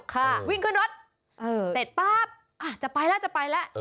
ค่ะวิ่งขึ้นรถเสร็จป๊าบอ่ะจะไปแล้วจะไปแล้ว